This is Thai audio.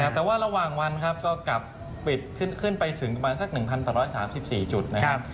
แต่ว่าระหว่างวันครับก็กลับปิดขึ้นไปถึงประมาณสัก๑๘๓๔จุดนะครับ